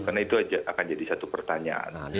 karena itu akan jadi satu pertanyaan